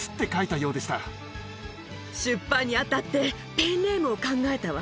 出版にあたって、ペンネームを考えたわ。